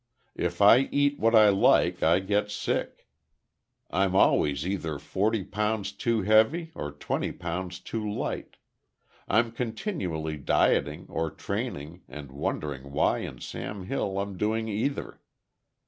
If I eat what I like, I get sick. I'm always either forty pounds too heavy or twenty pounds too light. I'm continually dieting or training and wondering why in Sam Hill I'm doing either.